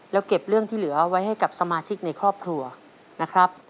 แล้วเก็บเรื่องที่เหลือไว้ให้กับสมาชิกในครอบครัวนะครับ